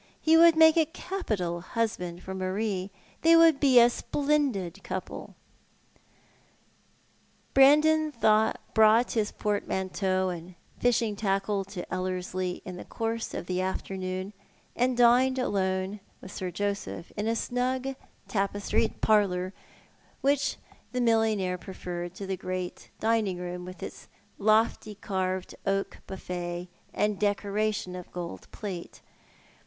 He would make a capit<al husband for Marie. They would be a splendid couple." Fro7u the Fa?' off Land. 57 Brandon brouglit his portmanteau and fishing tackle to EUerslie in the course of the afternoon, and dined alone with Sir Joseph in a snug tapestried j^arlour which the millionaire preferred to the great dining room, with its lofty carved oak buffet and decoration of gold plate.